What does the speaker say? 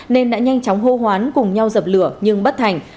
nên đã nhanh chóng hô hoán cùng nhau dập lửa nhưng bất thành